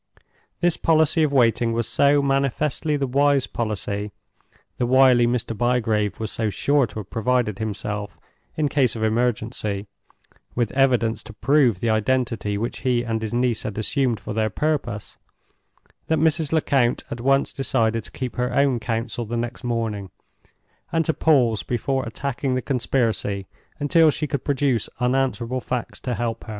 This policy of waiting was so manifestly the wise policy—the wily Mr. Bygrave was so sure to have provided himself, in case of emergency, with evidence to prove the identity which he and his niece had assumed for their purpose—that Mrs. Lecount at once decided to keep her own counsel the next morning, and to pause before attacking the conspiracy until she could produce unanswerable facts to help her.